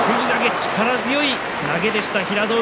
力強い投げでした、平戸海。